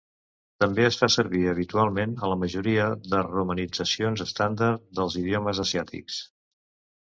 També es fa servir habitualment a la majoria de romanitzacions estàndard del idiomes asiàtics.